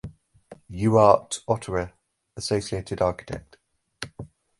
Ewart, Ottawa, associated architect.